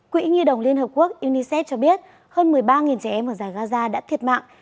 quỹ nhi đồng liên hợp quốc unicef cho biết hơn một mươi ba trẻ em ở giải gaza đã thiệt mạng